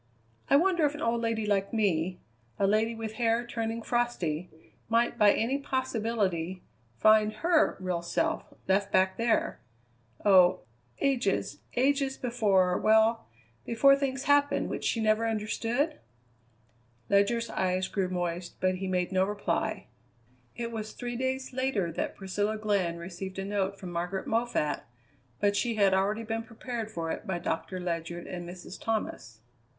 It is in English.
"I wonder if an old lady like me, a lady with hair turning frosty, might, by any possibility, find her real self left back there oh! ages, ages before well, before things happened which she never understood?" Ledyard's eyes grew moist, but he made no reply. It was three days later that Priscilla Glenn received a note from Margaret Moffatt, but she had already been prepared for it by Doctor Ledyard and Mrs. Thomas.